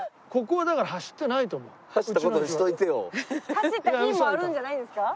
走った日もあるんじゃないですか？